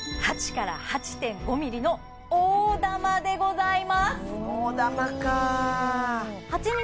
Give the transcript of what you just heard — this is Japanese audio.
８から８．５ｍｍの大珠でございます